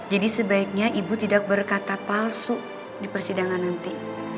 jadi sebaiknya ibu tidak berkata palsu di persidangan nanti